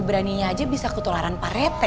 beraninya aja bisa ketularan parete